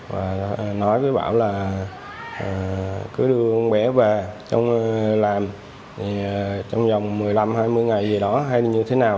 và nói với bảo là cứ đưa con bé về trong làm trong vòng một mươi năm hai mươi ngày gì đó hay như thế nào